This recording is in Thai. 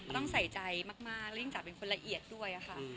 ต้องใส่ใจมากแล้วยิ่งกลับเป็นคนละเอียดด้วยค่ะ